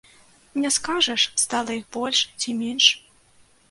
Не скажаш, стала іх больш ці менш.